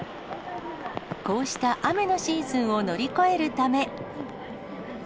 こうした雨のシーズンを乗り越えるため。